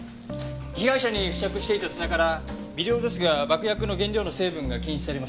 被害者に付着していた砂から微量ですが爆薬の原料の成分が検出されました。